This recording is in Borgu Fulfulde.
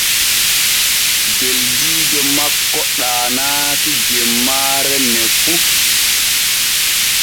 Beldiijo makko ɗaanaaki jemmaare ne fu.